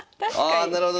あなるほど。